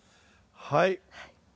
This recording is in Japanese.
はい。